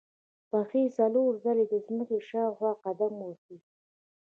پښې څلور ځلې د ځمکې شاوخوا قدم وهي.